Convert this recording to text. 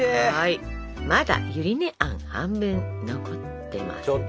まだゆり根あん半分残ってますでしょ？